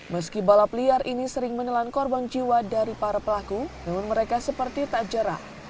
meski balap liar ini sering menelan korban jiwa dari para pelaku namun mereka seperti tak jerah